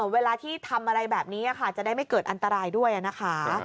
เวลาที่ทำอะไรแบบนี้จะได้ไม่เกิดอันตรายด้วยนะคะ